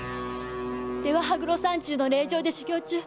出羽羽黒山中の霊場で修行中